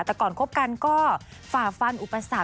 แต่ก่อนคบกันก็ฝ่าฟันอุปสรรค